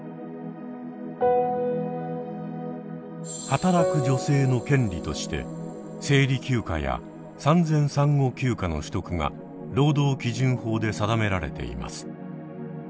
働く女性の権利として生理休暇や産前産後休暇の取得が労働基準法で定められています。